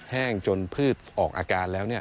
แห้งจนพืชออกอาการแล้ว